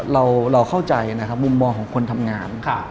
เราเข้าใจมุมมองของคนทำงาน